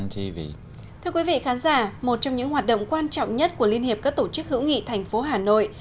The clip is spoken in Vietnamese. thưa quý vị khán giả một trong những hoạt động quan trọng nhất của liên hiệp các tổ chức hữu nghị thành phố hà nội